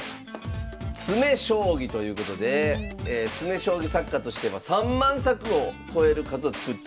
詰将棋ということで詰将棋作家としては３万作を超える数を作っておられる。